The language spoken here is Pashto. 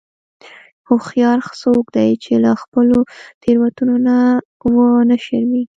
هوښیار څوک دی چې له خپلو تېروتنو نه و نه شرمیږي.